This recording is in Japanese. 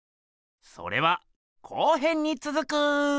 それは後編につづく。